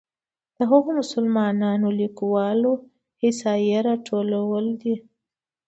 د هغو مسلمانو لیکوالو احصایې راټولول ده.